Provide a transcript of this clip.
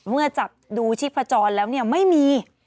เมื่อจับดูชิคกี้พายแล้วไม่มี